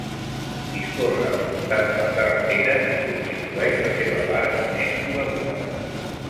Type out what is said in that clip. Discorre al costat de la carretera i constitueix la seva part més coneguda.